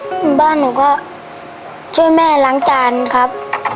หมู่บ้านหนูก็ช่วยแม่ล้างจานครับ